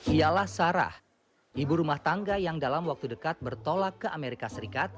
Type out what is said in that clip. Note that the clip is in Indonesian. ialah sarah ibu rumah tangga yang dalam waktu dekat bertolak ke amerika serikat